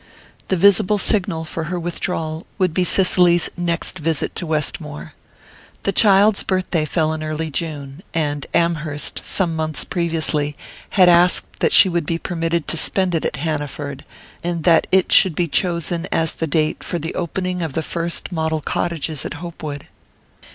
The visible signal for her withdrawal would be Cicely's next visit to Westmore. The child's birthday fell in early June; and Amherst, some months previously, had asked that she should be permitted to spend it at Hanaford, and that it should be chosen as the date for the opening of the first model cottages at Hopewood.